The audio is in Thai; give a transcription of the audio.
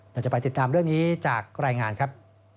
เราจะไปติดตามเรื่องนี้จากรายงานครับ